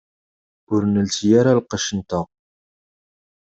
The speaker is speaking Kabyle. Ur nelsi ara lqecc-nteɣ.